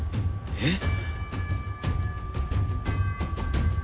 えっ？